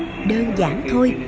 ây đơn giản thôi